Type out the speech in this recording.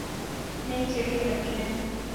نئی سڑکیں بنتی ہیں۔